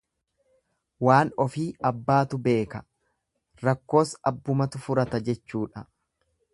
Waan ofii abbaatu beeka, rakkoos abbumatu furata jechuudha.